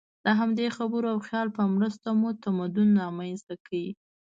د همدې خبرو او خیال په مرسته مو تمدن رامنځ ته کړ.